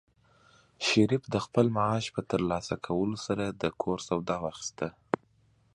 شریف د خپل معاش په ترلاسه کولو سره د کور سودا واخیسته.